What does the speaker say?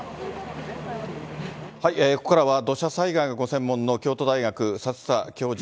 ここからは土砂災害がご専門の京都大学、佐々恭二